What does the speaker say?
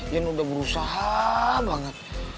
ian udah berusaha banget